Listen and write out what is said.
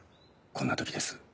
こんな時です